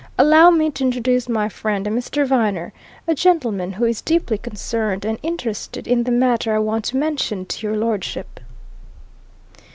Allow me to introduce my friend Mr. Viner, a gentlemen who is deeply concerned and interested in the matter I want to mention to your lordship."